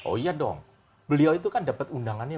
oh iya dong beliau itu kan dapat undangannya